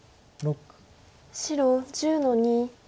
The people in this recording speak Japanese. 白１０の二。